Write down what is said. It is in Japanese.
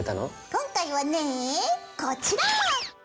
今回はねぇこちら！